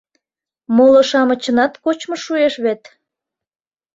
— Моло-шамычынат кочмышт шуэш вет...